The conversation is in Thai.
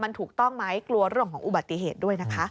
มันถูกต้องไหมกลัวเรื่องของอุบัติเหตุด้วยนะคะ